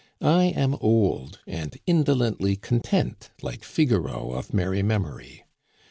I am old and indolently con tent, like Figaro of merry memory.